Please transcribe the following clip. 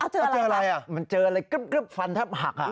เจออะไรครับเจออะไรมันเจออะไรกึ๊บฟันทับหัก